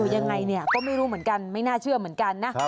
ยังไงเนี่ยก็ไม่รู้เหมือนกันไม่น่าเชื่อเหมือนกันนะ